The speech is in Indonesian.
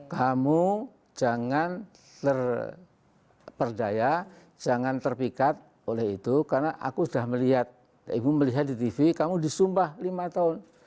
kamu jangan terperdaya jangan terpikat oleh itu karena aku sudah melihat ibu melihat di tv kamu disumpah lima tahun